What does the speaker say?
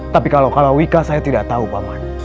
tapi kalau wika saya tidak tahu paman